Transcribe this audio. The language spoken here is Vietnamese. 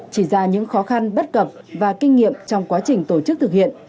chỉ ra những khó khăn bất cập và kinh nghiệm trong quá trình tổ chức thực hiện